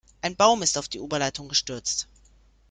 Ein Baum ist auf die Oberleitung gestürzt.